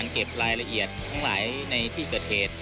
เก็บรายละเอียดทั้งหลายในที่เกิดเหตุ